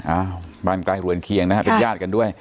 อ้าวบ้านใกล้เรือนเคียงนะฮะเป็นญาติกันด้วย